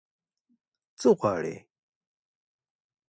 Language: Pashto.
_څه غواړې؟